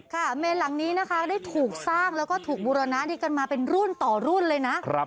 เมนหลังนี้นะคะได้ถูกสร้างแล้วก็ถูกบูรณะด้วยกันมาเป็นรุ่นต่อรุ่นเลยนะ